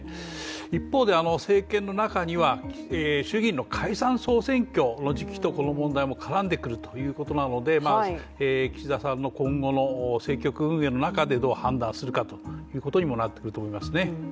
一方で、政権の中には衆議院の解散総選挙の時期とこの問題も絡んでくるということなので岸田さんの今後の政局運営の中でどう判断するかということにもなってくると思いますね。